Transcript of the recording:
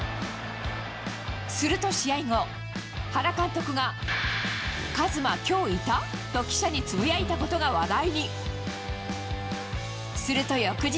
すると試合後、原監督が、和真きょういた？と記者につぶやいたことが話題に。